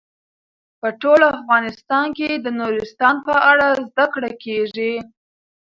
په ټول افغانستان کې د نورستان په اړه زده کړه کېږي.